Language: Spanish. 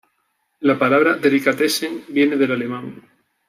La palabra "delicatessen" viene del alemán.